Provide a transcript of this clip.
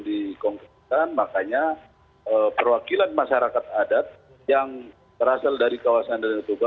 dan makanya perwakilan masyarakat adat yang berasal dari kawasan dona toba